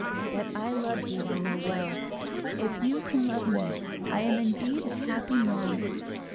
That I love you I know well; if you can love me I am indeed a happy man."